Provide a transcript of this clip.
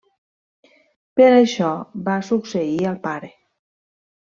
Per això va succeir al pare.